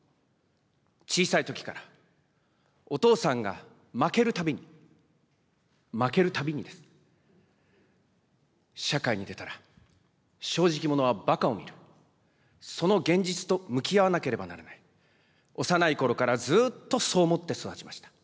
そこでは私と妹は小さいときからお父さんが負けるたびに、負けるたびにです、社会に出たら、正直者はばかを見る、その現実と向き合わなければならない、幼いころからずっとそう思って育ちました。